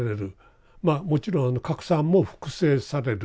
まあもちろん核酸も複製される。